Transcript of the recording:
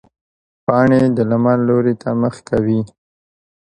پاڼې د لمر لوري ته مخ کوي